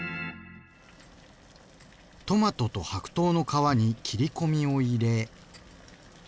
トマトと白桃の皮に切り込みを入れ。